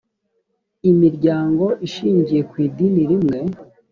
imiryango ishingiye ku idini rimwe .